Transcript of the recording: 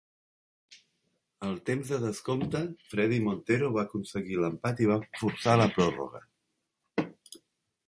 Al temps de descompte, Fredy Montero va aconseguir l'empat i va forçar la pròrroga.